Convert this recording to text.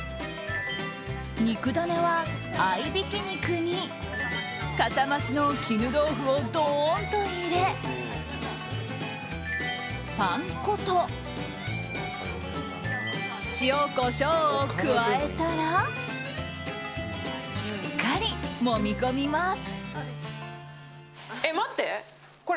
肉ダネは合いびき肉にかさ増しの絹豆腐をドーンと入れパン粉と塩、コショウを加えたらしっかりもみ込みます。